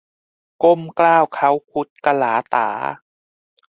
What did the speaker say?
ก้มเกล้าเค้าคุดกะหลาต๋า